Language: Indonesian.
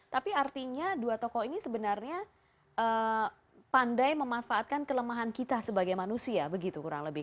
tapi artinya dua tokoh ini sebenarnya pandai memanfaatkan kelemahan kita sebagai manusia begitu kurang lebih